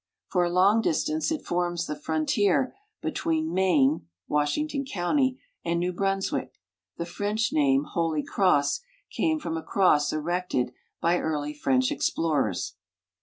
For a long distance it forms the frontier between Maine (Washington county) and New Brunswick. The' French name, " Holy Cross," came frohi a cross erected by early French explorers.